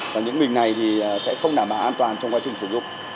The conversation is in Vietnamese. và những bình này sẽ không đảm bảo an toàn trong quá trình sử dụng